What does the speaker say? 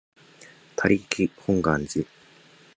他力本願寺